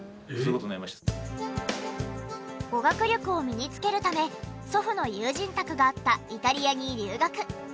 語学力を身につけるため祖父の友人宅があったイタリアに留学。